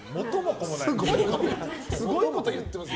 すごいこと言ってますよ。